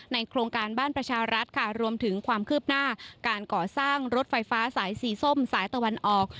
โครงการบ้านประชารัฐค่ะรวมถึงความคืบหน้าการก่อสร้างรถไฟฟ้าสายสีส้มสายตะวันออก